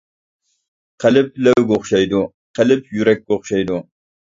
قەلب لەۋگە ئوخشايدۇ، قەلب يۈرەككە ئوخشايدۇ.